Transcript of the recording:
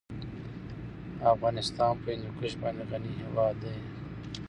افغانستان په هندوکش باندې غني هېواد دی.